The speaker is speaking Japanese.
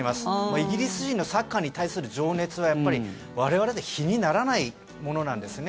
イギリス人のサッカーに対する情熱はやっぱり、我々と比にならないものなんですね。